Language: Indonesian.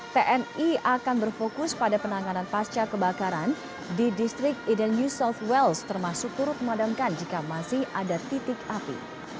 tni akan berfokus pada penanganan pasca kebakaran di distrik iden new south wales termasuk turut memadamkan jika masih ada titik api